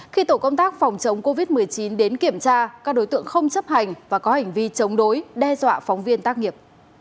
khi tổ công tác phòng chống covid một mươi chín đến kiểm tra các đối tượng không chấp hành và có hành vi chống đối đe dọa phóng viên tác nghiệp